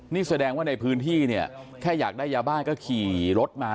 นี่แสดงว่าในพื้นที่เนี่ยแค่อยากได้ยาบ้าก็ขี่รถมา